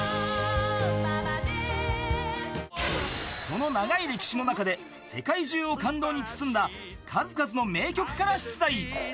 ［その長い歴史の中で世界中を感動に包んだ数々の名曲から出題］